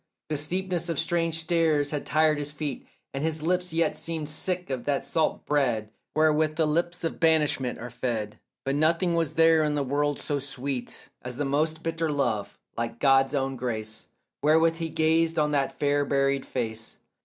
The steepness of strange stairs had tired his feet, And his lips yet seemed sick of that salt bread Wherewith the lips of banishment are fed; But nothing was there in the world so sweet As the most bitter love, like God's own grace, Wherewith he gazed on that fair buried face.